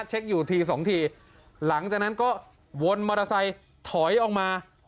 อยู่ทีสองทีหลังจากนั้นก็วนมอเตอร์ไซค์ถอยออกมา